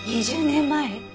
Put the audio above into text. ２０年前？